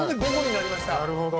なるほど。